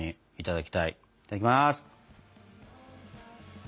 いただきます！